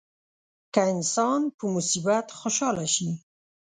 که انسان په مصیبت خوشاله شي.